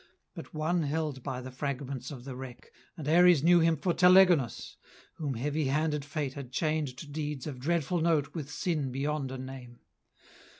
But one held by the fragments of the wreck, And Ares knew him for Telegonus, Whom heavy handed Fate had chained to deeds Of dreadful note with sin beyond a name.